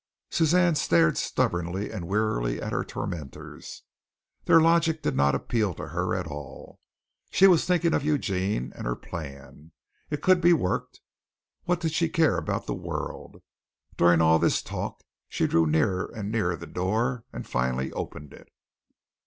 Suzanne stared stubbornly and wearily at her tormentors. Their logic did not appeal to her at all. She was thinking of Eugene and her plan. It could be worked. What did she care about the world? During all this talk, she drew nearer and nearer the door and finally opened it.